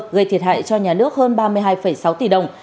gây thiệt hại cho nhà nước hơn ba mươi hai sáu tỷ đồng